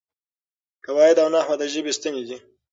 قواعد او نحو د ژبې ستنې دي.